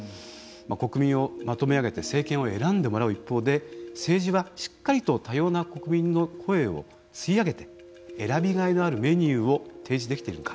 国民をまとめあげて政権を選んでもらう一方で政治はしっかりと多様な国民の声を吸い上げて選びがいのあるメニューを提示できているのか。